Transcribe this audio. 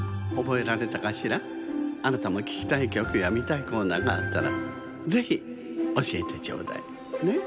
あなたもききたいきょくやみたいコーナーがあったらぜひおしえてちょうだいね。